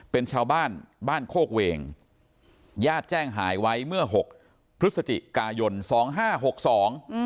เป็นชาวบ้านบ้านโคกเวงญาติแจ้งหายไว้เมื่อหกพฤศจิกายนสองห้าหกสองอืม